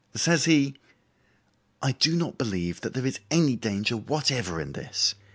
Says he: "I do not believe there is any danger whatever in this.